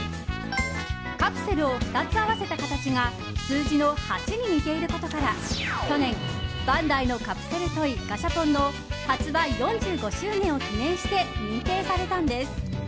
カプセルを２つ合わせた形が数字の８に似ていることから去年、バンダイのカプセルトイガシャポンの発売４５周年を記念して認定されたんです。